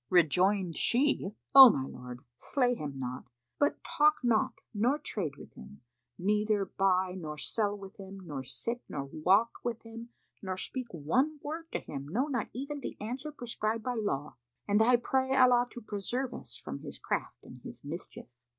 Rejoined she, "O my lord, slay him not; but talk not nor trade with him, neither buy nor sell with him nor sit nor walk with him nor speak one word to him, no, not even the answer prescribed by law,[FN#489] and I pray Allah to preserve us from his craft and his mischief."